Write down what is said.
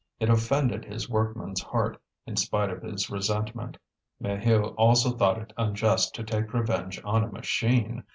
It offended his workman's heart, in spite of his resentment. Maheu also thought it unjust to take revenge on a machine.